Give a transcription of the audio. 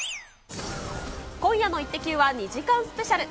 今夜のイッテＱ！は２時間スペシャル。